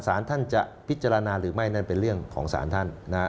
สารท่านจะพิจารณาหรือไม่นั้นเป็นเรื่องของสารท่าน